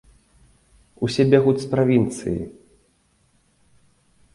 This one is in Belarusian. Усе бягуць з правінцыі!